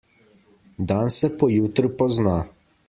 Dan se po jutru pozna.